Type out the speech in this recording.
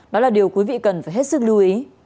đó là điều quý vị cần phải hết sức lưu ý